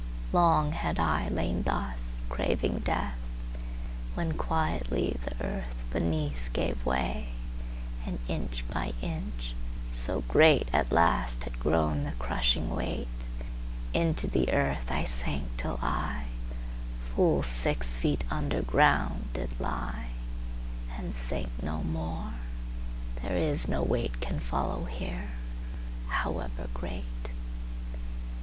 Long had I lain thus, craving death, When quietly the earth beneathGave way, and inch by inch, so greatAt last had grown the crushing weight, Into the earth I sank till IFull six feet under ground did lie, And sank no more,—there is no weightCan follow here, however great.